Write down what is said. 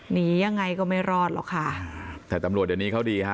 หนียังไงก็ไม่รอดหรอกค่ะแต่ตำรวจเดี๋ยวนี้เขาดีฮะ